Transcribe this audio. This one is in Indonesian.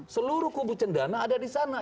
seluruh kubu cendana ada di sana